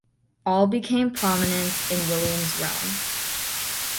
All became prominent in William's realm.